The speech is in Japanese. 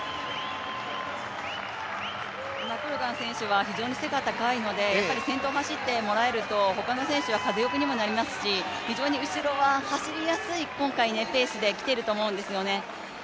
マコルガン選手は非常に背が高いので先頭を走ってもらえるとほかの選手の風よけになりますし非常に後ろは走りやすい、今回ペースで来ていると思うんですよね。